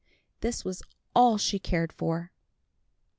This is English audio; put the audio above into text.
This was all she cared for.